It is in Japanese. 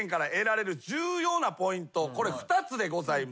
これ２つでございます。